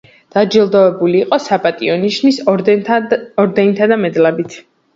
დაჯილდოვებული იყო „საპატიო ნიშნის“ ორდენითა და მედლებით.